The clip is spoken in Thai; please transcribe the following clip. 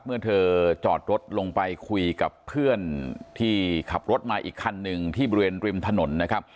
เมื่อเธอจอดรถลงไปคุยกับเพื่อนที่ขับรถมาอีกคันหนึ่งที่บริเวณริมถนนนะครับ